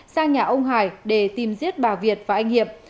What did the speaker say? sang nhà ông hải để tìm giết bà việt và anh hiệp